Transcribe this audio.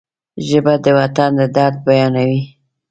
ژبه د وطن د درد بیانوي